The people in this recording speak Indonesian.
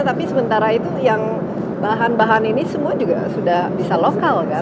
tapi sementara itu yang bahan bahan ini semua juga sudah bisa lokal kan